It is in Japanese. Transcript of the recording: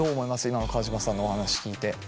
今の川島さんのお話聞いて。